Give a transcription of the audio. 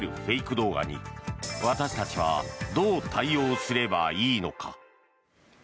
動画に私たちはどう対応すればいいのか。